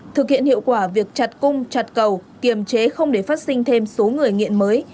thực hiện hiệu quả việc chặt cung chặt cầu kiềm chế không để phát sinh thêm số người nghiện mới